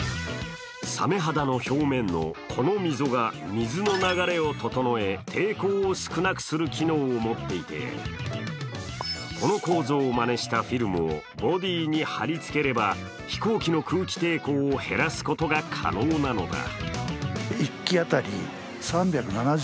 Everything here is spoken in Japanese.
サメ肌の表面のこの溝が水の流れを整え、抵抗を少なくする機能を持っていて、この構造をまねしたフィルムをボディに貼り付ければ飛行機の空気抵抗を減らすことが可能なのだ。